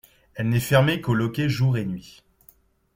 Elle n’est fermée qu’au loquet jour et nuit.